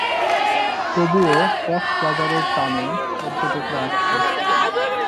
তবুও কক্সবাজারের টানে পর্যটকরা আসছে।